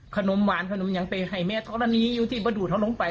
ขนมหวานขนมอย่างเตยให้แม่เท่านั้นนี้อยู่ที่ประดูกเท่านั้นลงไป